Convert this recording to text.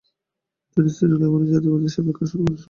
তিনি সিরিয়ান ও লেবানিজ জাতীয়তাবাদিদের সাথে কাজ শুরু করেছিলেন।